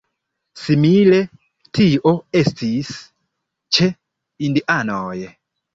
Simile tio estis ĉe indianoj.